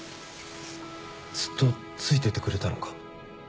ずっと付いててくれたのか？